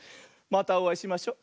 またおあいしましょ。